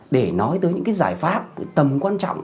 để nói tới những giải pháp tầm quan trọng